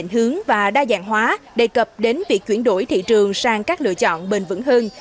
hướng và đa dạng hóa đề cập đến việc chuyển đổi thị trường sang các lựa chọn bền vững hơn